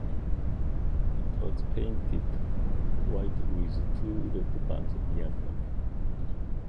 It was painted white with two red bands near the top.